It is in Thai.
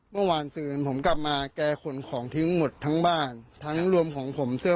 ไม่อยากให้แม่เป็นอะไรไปแล้วนอนร้องไห้แท่ทุกคืน